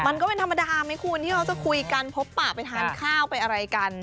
มันก็เป็นธรรมดาไหมคุณที่เขาจะคุยกันพบปะไปทานข้าวไปอะไรกัน